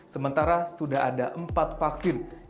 sementara sudah ada empat vaksin yang memasuki fase ketiga